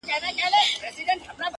زما د زړه په هغه شين اسمان كي.